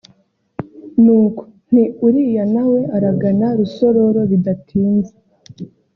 nuko nti uriya nawe aragana Rusororo bidatinze